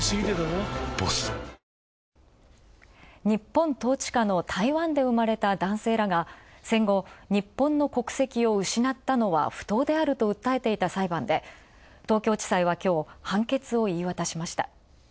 日本統治下の台湾で生まれた男性らが、戦後日本の国籍を失ったのは不当であると訴えていた裁判で東京地裁はきょう、判決を言い渡しました。